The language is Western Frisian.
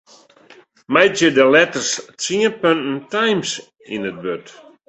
Meitsje de letters tsien punten Times yn it wurd.